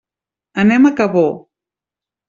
Anem a Cabó.